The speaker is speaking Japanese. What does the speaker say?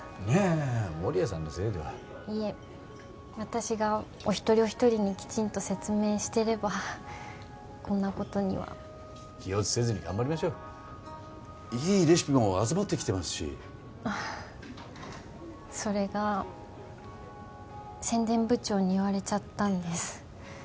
いやいや守屋さんのせいではいえ私がお一人お一人にきちんと説明してればこんなことには気落ちせずに頑張りましょういいレシピも集まってきてますしそれが宣伝部長に言われちゃったんです